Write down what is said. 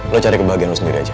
lu cari kebahagiaan lu sendiri aja